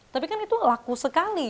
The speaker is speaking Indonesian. tapi kan itu laku sekali